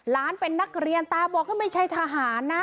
เป็นนักเรียนตาบอกก็ไม่ใช่ทหารนะ